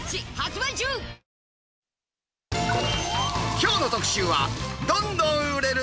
きょうの特集は、ドンドン売れる！